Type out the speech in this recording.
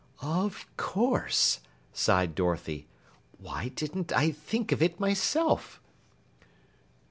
"Of course!" sighed Dorothy. "Why didn't I think of it myself?"